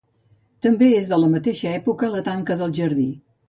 També és de la mateixa època la tanca del jardí.